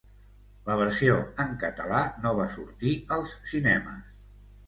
La versió en català no va sortir als cinemes.